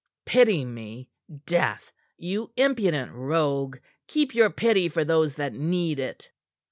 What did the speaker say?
"Pity me? Death! You impudent rogue! Keep your pity for those that need it."